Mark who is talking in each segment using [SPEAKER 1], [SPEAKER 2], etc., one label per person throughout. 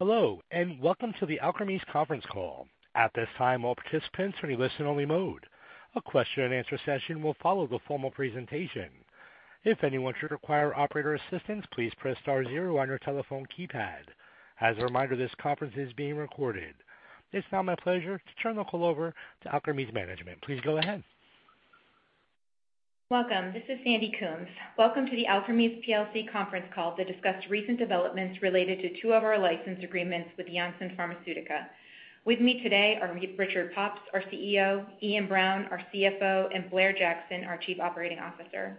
[SPEAKER 1] Hello, and welcome to the Alkermes conference call. At this time, all participants are in listen only mode. A question and answer session will follow the formal presentation. If anyone should require operator assistance, please press star zero on your telephone keypad. As a reminder, this conference is being recorded. It's now my pleasure to turn the call over to Alkermes management. Please go ahead.
[SPEAKER 2] Welcome. This is Sandy Coombs. Welcome to the Alkermes plc conference call to discuss recent developments related to two of our license agreements with Janssen Pharmaceutica. With me today are Richard Pops, our CEO, Iain Brown, our CFO, and Blair Jackson, our Chief Operating Officer.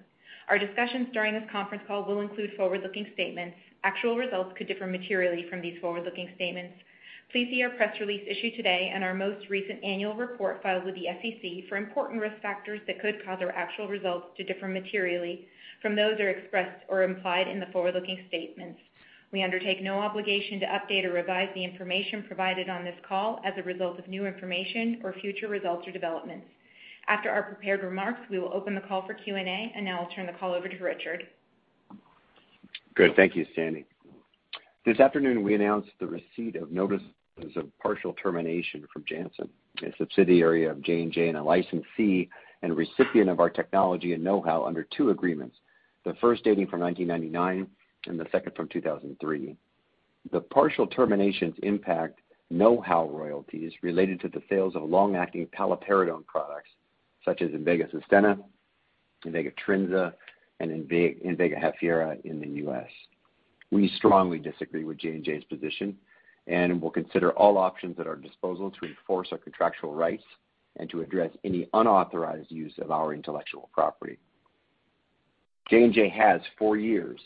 [SPEAKER 2] Our discussions during this conference call will include forward-looking statements. Actual results could differ materially from these forward-looking statements. Please see our press release issued today and our most recent annual report filed with the SEC for important risk factors that could cause our actual results to differ materially from those that are expressed or implied in the forward-looking statements. We undertake no obligation to update or revise the information provided on this call as a result of new information or future results or developments. After our prepared remarks, we will open the call for Q&A, and now I'll turn the call over to Richard.
[SPEAKER 3] Good. Thank you, Sandy. This afternoon we announced the receipt of notices of partial termination from Janssen, a subsidiary of J&J and a licensee and recipient of our technology and know-how under two agreements, the first dating from 1999 and the second from 2003. The partial terminations impact know-how royalties related to the sales of long-acting paliperidone products such as Invega Sustenna, Invega Trinza, and Invega Hafyera in the U.S. We strongly disagree with J&J's position and will consider all options at our disposal to enforce our contractual rights and to address any unauthorized use of our intellectual property. J&J has for years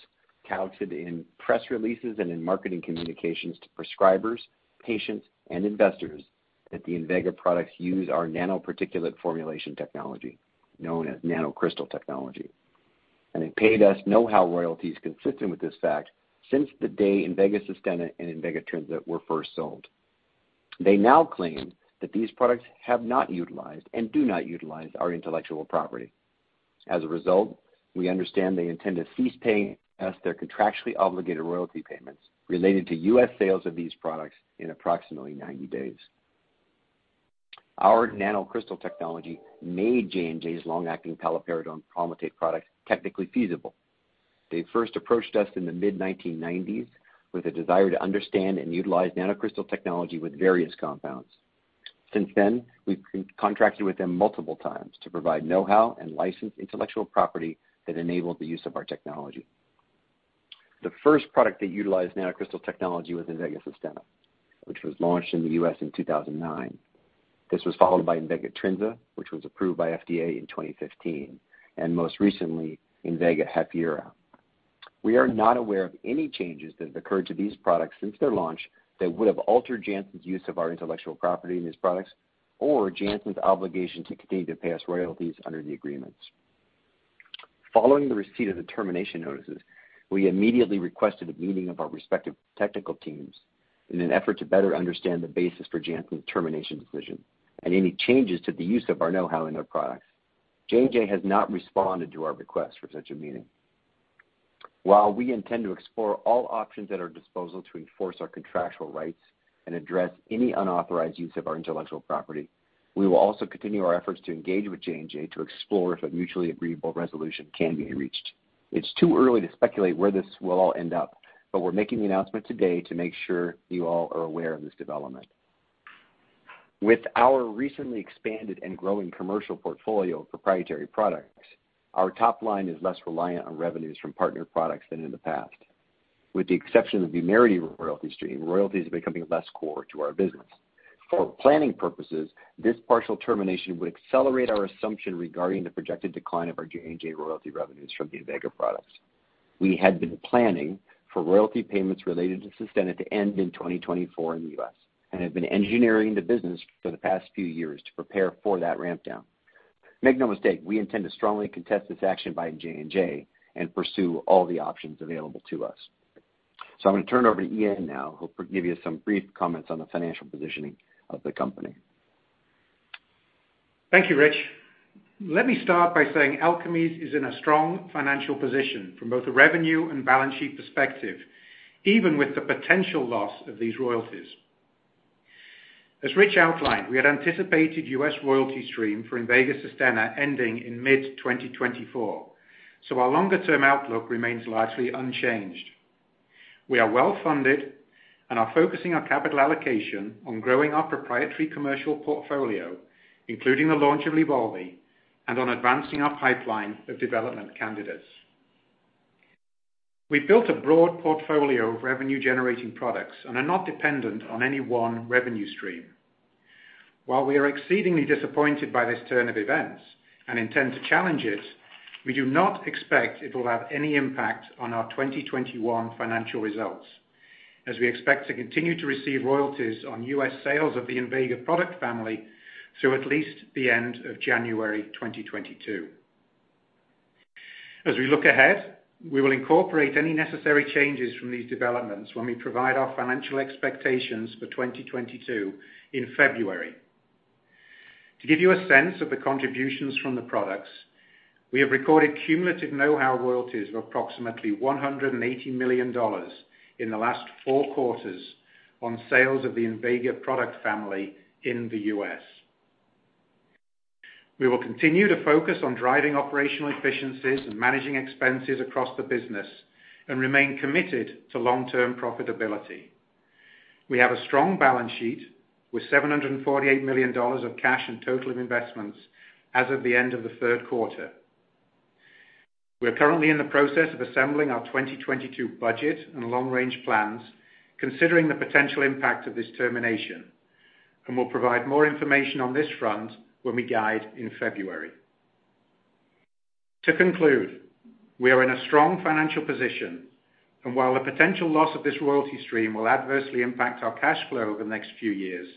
[SPEAKER 3] touted in press releases and in marketing communications to prescribers, patients, and investors that the Invega products use our nanoparticulate formulation technology, known as NanoCrystal technology. They paid us know-how royalties consistent with this fact since the day Invega Sustenna and Invega Trinza were first sold. They now claim that these products have not utilized and do not utilize our intellectual property. As a result, we understand they intend to cease paying us their contractually obligated royalty payments related to U.S. sales of these products in approximately 90 days. Our NanoCrystal technology made J&J's long-acting paliperidone palmitate products technically feasible. They first approached us in the mid-1990s with a desire to understand and utilize NanoCrystal technology with various compounds. Since then, we've contracted with them multiple times to provide know-how and licensed intellectual property that enabled the use of our technology. The first product that utilized NanoCrystal technology was Invega Sustenna, which was launched in the U.S. in 2009. This was followed by Invega Trinza, which was approved by FDA in 2015, and most recently Invega Hafyera. We are not aware of any changes that have occurred to these products since their launch that would have altered Janssen's use of our intellectual property in these products or Janssen's obligation to continue to pay us royalties under the agreements. Following the receipt of the termination notices, we immediately requested a meeting of our respective technical teams in an effort to better understand the basis for Janssen's termination decision and any changes to the use of our know-how in their products. J&J has not responded to our request for such a meeting. While we intend to explore all options at our disposal to enforce our contractual rights and address any unauthorized use of our intellectual property, we will also continue our efforts to engage with J&J to explore if a mutually agreeable resolution can be reached. It's too early to speculate where this will all end up, but we're making the announcement today to make sure you all are aware of this development. With our recently expanded and growing commercial portfolio of proprietary products, our top line is less reliant on revenues from partner products than in the past. With the exception of the Vumerity royalty stream, royalties are becoming less core to our business. For planning purposes, this partial termination would accelerate our assumption regarding the projected decline of our J&J royalty revenues from the Invega products. We had been planning for royalty payments related to Sustenna to end in 2024 in the U.S. and have been engineering the business for the past few years to prepare for that ramp down. Make no mistake, we intend to strongly contest this action by J&J and pursue all the options available to us. I'm gonna turn it over to Iain now, who will give you some brief comments on the financial positioning of the company.
[SPEAKER 4] Thank you, Rich. Let me start by saying Alkermes is in a strong financial position from both a revenue and balance sheet perspective, even with the potential loss of these royalties. As Rich outlined, we had anticipated U.S. royalty stream for Invega Sustenna ending in mid-2024, so our longer-term outlook remains largely unchanged. We are well funded and are focusing our capital allocation on growing our proprietary commercial portfolio, including the launch of LYBALVI and on advancing our pipeline of development candidates. We've built a broad portfolio of revenue-generating products and are not dependent on any one revenue stream. While we are exceedingly disappointed by this turn of events and intend to challenge it, we do not expect it will have any impact on our 2021 financial results as we expect to continue to receive royalties on U.S. sales of the Invega product family through at least the end of January 2022. As we look ahead, we will incorporate any necessary changes from these developments when we provide our financial expectations for 2022 in February. To give you a sense of the contributions from the products, we have recorded cumulative know-how royalties of approximately $180 million in the last four quarters on sales of the Invega product family in the U.S. We will continue to focus on driving operational efficiencies and managing expenses across the business and remain committed to long-term profitability. We have a strong balance sheet with $748 million of cash and total investments as of the end of the third quarter. We are currently in the process of assembling our 2022 budget and long-range plans, considering the potential impact of this termination, and we'll provide more information on this front when we guide in February. To conclude, we are in a strong financial position, and while the potential loss of this royalty stream will adversely impact our cash flow over the next few years,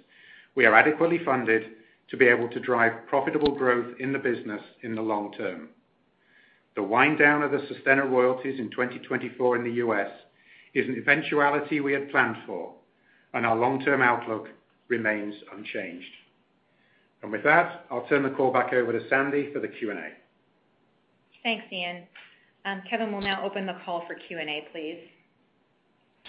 [SPEAKER 4] we are adequately funded to be able to drive profitable growth in the business in the long term. The wind down of the Sustenna royalties in 2024 in the U.S. is an eventuality we had planned for, and our long-term outlook remains unchanged. With that, I'll turn the call back over to Sandy for the Q&A.
[SPEAKER 2] Thanks, Iain. Kevin, we'll now open the call for Q&A, please.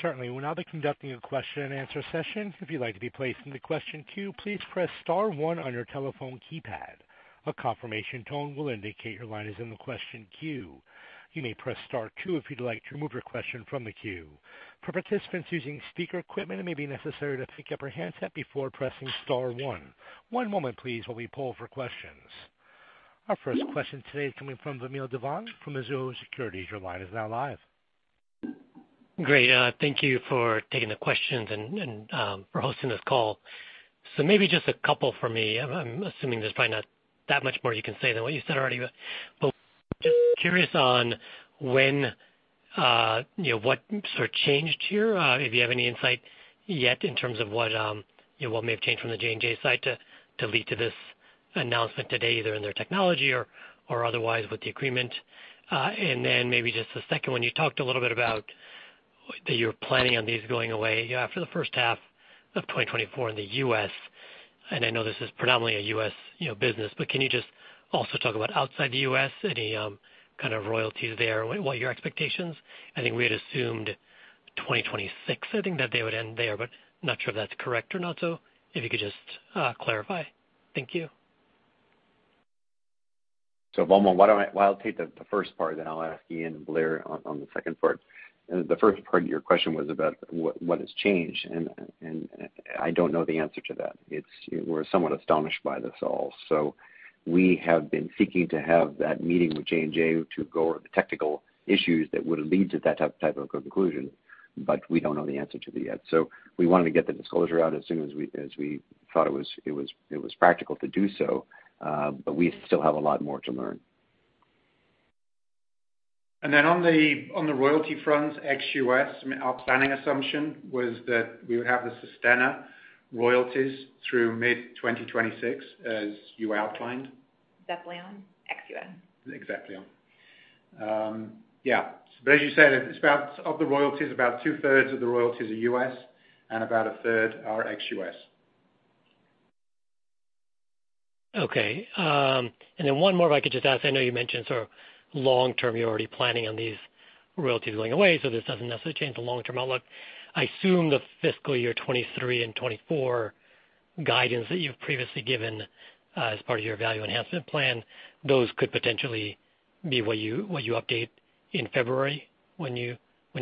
[SPEAKER 1] Certainly. We'll now be conducting a question and answer session. If you'd like to be placed in the question queue, please press star one on your telephone keypad. A confirmation tone will indicate your line is in the question queue. You may press star two if you'd like to remove your question from the queue. For participants using speaker equipment, it may be necessary to pick up your handset before pressing star one. One moment, please, while we poll for questions. Our first question today is coming from Vamil Divan from Guggenheim Securities. Your line is now live.
[SPEAKER 5] Great. Thank you for taking the questions and for hosting this call. Maybe just a couple for me. I'm assuming there's probably not that much more you can say than what you said already, but just curious on when, you know, what sort of changed here, if you have any insight yet in terms of what, you know, what may have changed from the J&J side to lead to this announcement today, either in their technology or otherwise with the agreement. Maybe just the second one, you talked a little bit about that you're planning on these going away after the first half of 2024 in the U.S., and I know this is predominantly a U.S., you know, business, but can you just also talk about outside the U.S., any kind of royalties there? What are your expectations? I think we had assumed 2026, I think, that they would end there, but not sure if that's correct or not. If you could just clarify. Thank you.
[SPEAKER 3] Vamil, well, I'll take the first part, and then I'll ask Iain and Blair on the second part. The first part of your question was about what has changed, and I don't know the answer to that. We're somewhat astonished by all this. We have been seeking to have that meeting with J&J to go over the technical issues that would lead to that type of conclusion, but we don't know the answer to it yet. We wanted to get the disclosure out as soon as we thought it was practical to do so, but we still have a lot more to learn.
[SPEAKER 4] Then on the royalty front, ex-US, our planning assumption was that we would have the Sustenna royalties through mid-2026, as you outlined.
[SPEAKER 2] Xeplion, ex-US.
[SPEAKER 4] Xeplion. Yeah. As you said, it's about 2/3 of the royalties are U.S. and about 1/3 are ex-U.S.
[SPEAKER 5] Okay. Then one more if I could just ask. I know you mentioned sort of long-term, you're already planning on these royalties going away, so this doesn't necessarily change the long-term outlook. I assume the fiscal year 2023 and 2024 guidance that you've previously given as part of your Value Enhancement Plan, those could potentially be what you update in February when you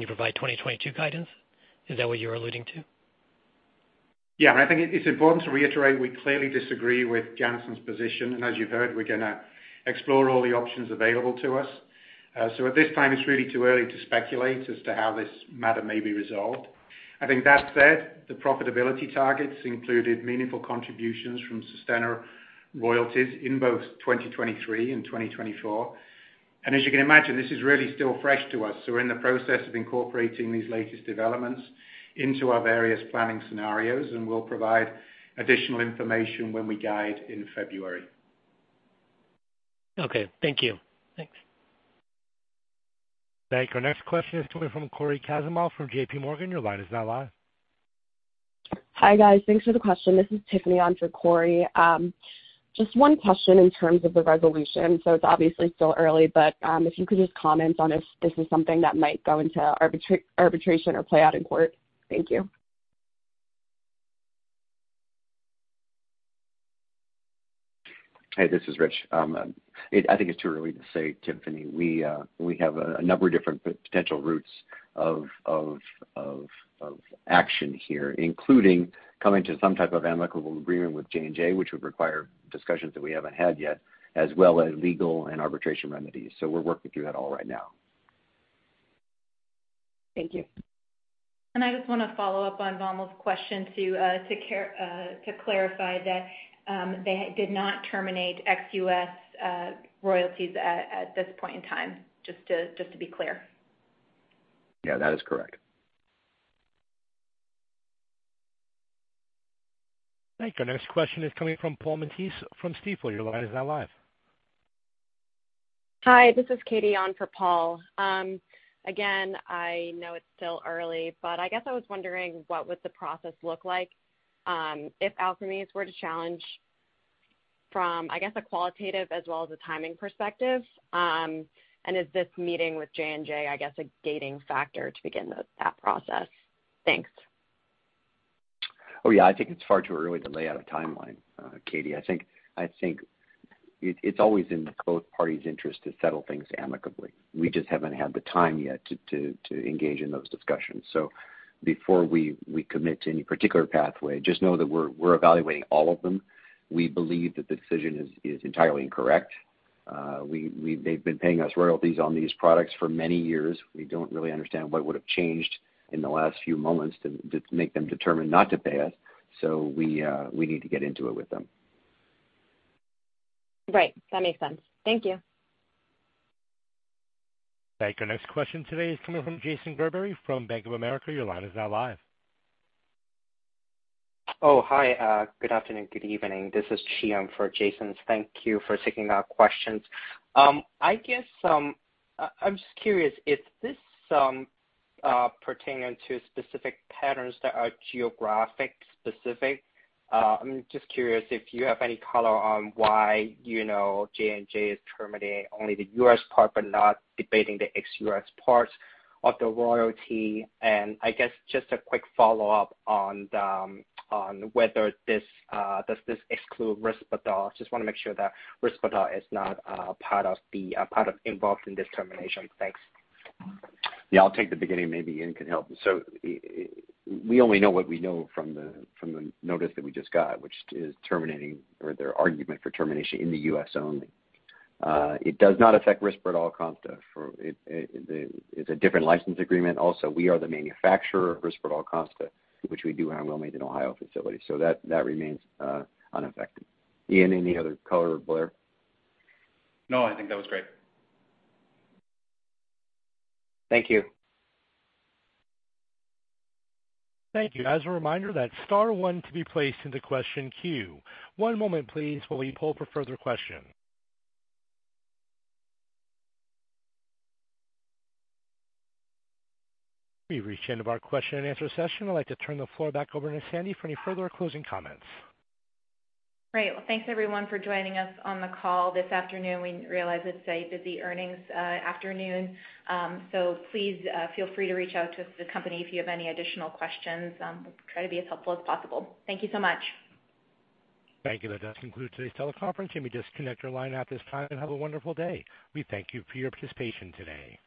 [SPEAKER 5] provide 2022 guidance. Is that what you're alluding to?
[SPEAKER 4] Yeah. I think it's important to reiterate, we clearly disagree with Janssen's position, and as you've heard, we're gonna explore all the options available to us. At this time, it's really too early to speculate as to how this matter may be resolved. I think that said, the profitability targets included meaningful contributions from Sustenna royalties in both 2023 and 2024. As you can imagine, this is really still fresh to us, so we're in the process of incorporating these latest developments into our various planning scenarios, and we'll provide additional information when we guide in February.
[SPEAKER 5] Okay. Thank you. Thanks.
[SPEAKER 1] Thank you. Our next question is coming from Cory Kasimov from JP Morgan. Your line is now live.
[SPEAKER 6] Hi, guys. Thanks for the question. This is Tiffany on for Cory. Just one question in terms of the resolution. It's obviously still early, but if you could just comment on if this is something that might go into arbitration or play out in court? Thank you.
[SPEAKER 3] Hey, this is Rich. I think it's too early to say, Tiffany. We have a number of different potential routes of action here, including coming to some type of amicable agreement with J&J, which would require discussions that we haven't had yet, as well as legal and arbitration remedies. We're working through that all right now.
[SPEAKER 6] Thank you. I just wanna follow up on Vamil's question to clarify that they did not terminate ex-US royalties at this point in time, just to be clear.
[SPEAKER 3] Yeah, that is correct.
[SPEAKER 1] Thank you. Our next question is coming from Paul Matteis from Stifel. Your line is now live.
[SPEAKER 7] Hi, this is Katie on for Paul. Again, I know it's still early, but I guess I was wondering what would the process look like, if Alkermes were to challenge from, I guess, a qualitative as well as a timing perspective, and is this meeting with J&J, I guess, a gating factor to begin that process? Thanks.
[SPEAKER 3] Oh, yeah. I think it's far too early to lay out a timeline, Katie. I think it's always in both parties' interest to settle things amicably. We just haven't had the time yet to engage in those discussions. Before we commit to any particular pathway, just know that we're evaluating all of them. We believe that the decision is entirely incorrect. They've been paying us royalties on these products for many years. We don't really understand what would have changed in the last few moments to make them determine not to pay us. We need to get into it with them.
[SPEAKER 7] Right. That makes sense. Thank you.
[SPEAKER 1] Thank you. Our next question today is coming from Jason Gerberry from Bank of America. Your line is now live.
[SPEAKER 8] Hi. Good afternoon, good evening. This is Chiew Meng for Jason. Thank you for taking our questions. I guess I'm just curious, is this pertaining to specific patterns that are geographically specific? I'm just curious if you have any color on why, you know, J&J is terminating only the U.S. part but not debating the ex-U.S. parts of the royalty. I guess just a quick follow-up on whether this does it exclude Risperdal? Just wanna make sure that Risperdal is not part of involved in this termination. Thanks.
[SPEAKER 3] Yeah, I'll take the beginning, maybe Iain can help. We only know what we know from the notice that we just got, which is terminating or their argument for termination in the U.S. only. It does not affect Risperdal Consta. It's a different license agreement. Also, we are the manufacturer of Risperdal Consta, which we do have in Wilmington, Ohio facilities. That remains unaffected. Iain, any other color or Blair?
[SPEAKER 4] No, I think that was great.
[SPEAKER 8] Thank you.
[SPEAKER 1] Thank you. As a reminder, that's star one to be placed in the question queue. One moment, please, while we poll for further questions. We've reached the end of our question and answer session. I'd like to turn the floor back over to Sandy for any further closing comments.
[SPEAKER 2] Great. Well, thanks everyone for joining us on the call this afternoon. We realize it's a busy earnings afternoon, so please feel free to reach out to the company if you have any additional questions. We'll try to be as helpful as possible. Thank you so much.
[SPEAKER 1] Thank you. That does conclude today's teleconference. You may disconnect your line at this time and have a wonderful day. We thank you for your participation today.